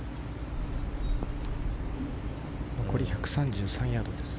残り１３３ヤードです。